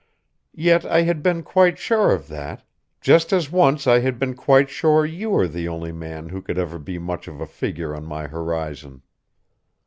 Yet I had been quite sure of that just as once I had been quite sure you were the only man who could ever be much of a figure on my horizon.